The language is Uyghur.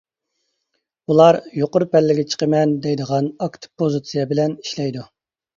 ئۇلار «يۇقىرى پەللىگە چىقىمەن» دەيدىغان ئاكتىپ پوزىتسىيە بىلەن ئىشلەيدۇ.